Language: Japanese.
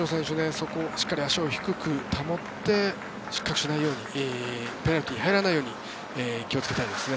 そこをしっかり足を低く保って失格しないようにペナルティー入らないように気をつけたいですね。